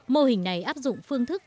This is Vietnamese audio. mô hình này áp dụng phương thức